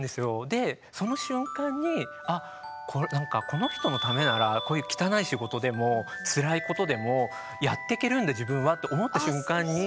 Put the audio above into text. その瞬間にあっなんかこの人のためならこういう汚い仕事でもつらいことでもやってけるんだ自分はと思った瞬間に。